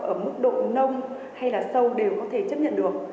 ở mức độ nông hay là sâu đều có thể chấp nhận được